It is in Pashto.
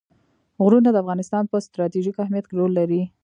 غرونه د افغانستان په ستراتیژیک اهمیت کې رول لري.